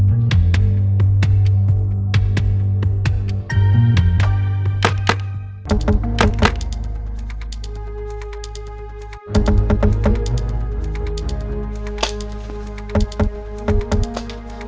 ibu el takut